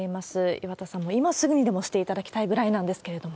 岩田さん、今すぐにでもしていただきたいぐらいなんですけれども。